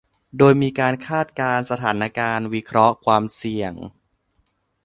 โดยมีการคาดการณ์สถานการณ์ วิเคราะห์ความเสี่ยง